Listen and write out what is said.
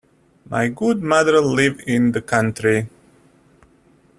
My good mother lived in the country.